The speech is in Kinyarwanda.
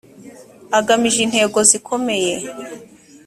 agamije intego zikomeye.